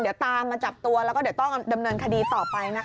เดี๋ยวตามมาจับตัวแล้วก็เดี๋ยวต้องดำเนินคดีต่อไปนะคะ